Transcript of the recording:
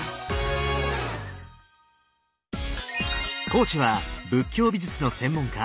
講師は仏教美術の専門家